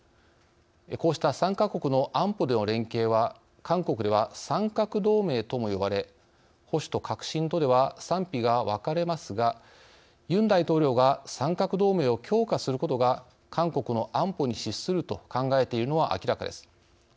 こうした３か国の安保での連携は韓国では「三角同盟」とも呼ばれ保守と革新とでは賛否が分かれますがユン大統領が「三角同盟」を強化することが韓国の安保に資すると考えているのは明らかです。